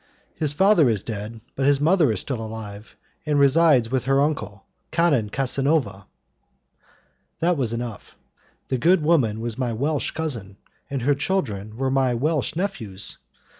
"His father is dead, but his mother is still alive, and resides with her uncle, Canon Casanova." That was enough. The good woman was my Welsh cousin, and her children were my Welsh nephews.